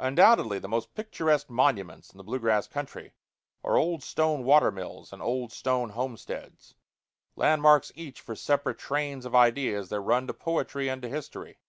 Undoubtedly the most picturesque monuments in the blue grass country are old stone water mills and old stone homesteads landmarks each for separate trains of ideas that run to poetry and to history.